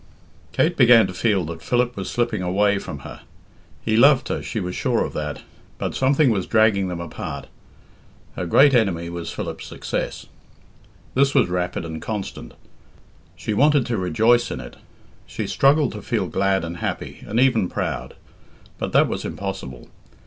Kate began to feel that Philip was slipping away from her. He loved her, she was sure of that, but something was dragging them apart Her great enemy was Philip's success. This was rapid and constant. She wanted to rejoice in it; she struggled to feel glad and happy, and even proud. But that was impossible.